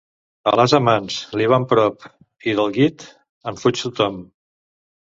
A l'ase mans, li van prop, i del guit, en fuig tothom.